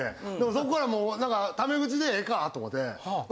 そっから何かタメ口でええかと思って。